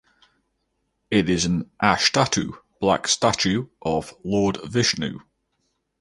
It is an ashtdhatu black statue of Lord Vishnu.